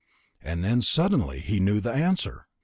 And then, suddenly, he knew the answer.